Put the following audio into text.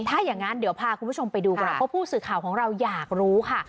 ถ้าอย่างนั้นเดี๋ยวพาคุณผู้ชมไปดูก่อนเพราะผู้สื่อข่าวของเราอยากรู้ค่ะ